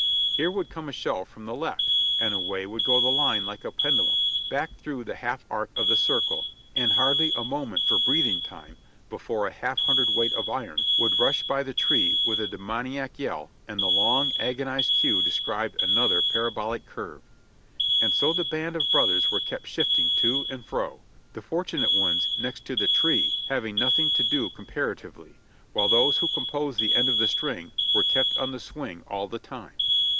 Here would come a shell from the left, and away would go the line like a pendulum, back through the half arc of the circle, and hardly a moment for breathing time before a half hundred weight of iron would rush by the tree with a demoniac yell, and the long, agonized queue described another parabolic curve. And so the band of brothers were kept shifting to and fro ; the fortunate ones next to the tree having nothing to do comparatively, while those who composed the end of the string were kept on the swing all the time.